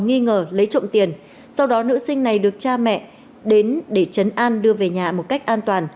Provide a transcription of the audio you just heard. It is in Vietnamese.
nghi ngờ lấy trộm tiền sau đó nữ sinh này được cha mẹ đến để chấn an đưa về nhà